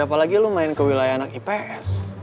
apalagi lo main ke wilayah anak ips